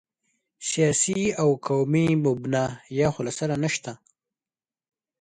سیاسي او قومي مبنا یا خو له سره نشته.